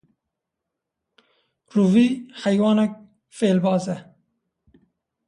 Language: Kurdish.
Rûvî heywanek fêlbaz e.